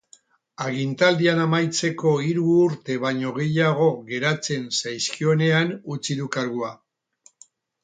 Agintaldia amaitzeko hiru urte baino gehiago geratzen zaizkionean utzi du kargua.